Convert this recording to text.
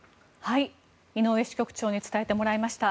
井上支局長に伝えてもらいました。